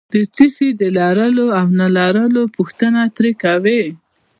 د څه شي د لرلو او نه لرلو پوښتنه ترې کوي.